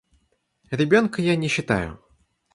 Ребенка я не считаю.